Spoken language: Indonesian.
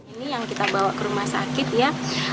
ini yang kita bawa ke rumah sakit ya